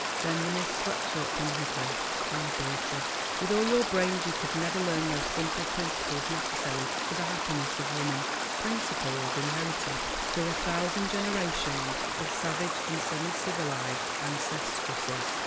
Then the mist swept up and hid her. Ah, Beatrice, with all your brains you could never learn those simple principles necessary to the happiness of woman; principles inherited through a thousand generations of savage and semi civilized ancestresses.